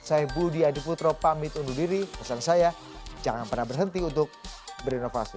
saya budi adiputro pamit undur diri pesan saya jangan pernah berhenti untuk berinovasi